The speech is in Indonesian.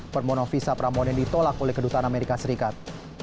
pramono visa pramono yang ditolak oleh kedutaan amerika serikat